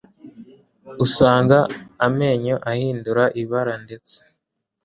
usanga amenyo ahindura ibara ndetse